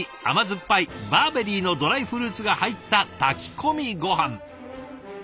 甘酸っぱいバーベリーのドライフルーツが入った炊き込みごはん。